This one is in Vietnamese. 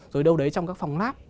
rồi đâu đấy trong các phòng lab